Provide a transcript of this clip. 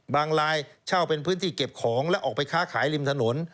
ลายเช่าเป็นพื้นที่เก็บของแล้วออกไปค้าขายริมถนน